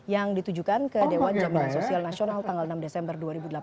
yang ditujukan ke dewan jaminan sosial nasional tanggal enam desember dua ribu delapan belas